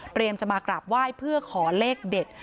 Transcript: จะมากราบไหว้เพื่อขอเลขเด็ด